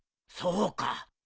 そうか。